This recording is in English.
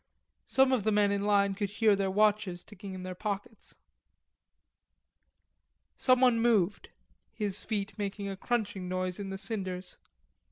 Some of the men in line could hear their watches ticking in their pockets. Someone moved, his feet making a crunching noise in the cinders.